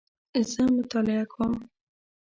زه مطالعه کوم